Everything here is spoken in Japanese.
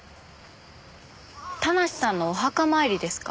田無さんのお墓参りですか？